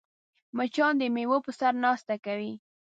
مچان د میوو په سر ناسته کوي